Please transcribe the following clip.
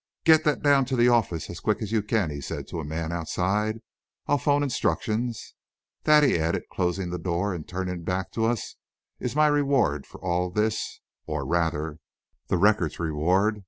"Get that down to the office, as quick as you can," he said, to a man outside. "I'll 'phone instructions. That," he added, closing the door and turning back to us, "is my reward for all this or, rather, the Record's reward.